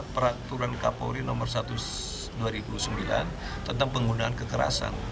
peraturan kapolri nomor satu dua ribu sembilan tentang penggunaan kekerasan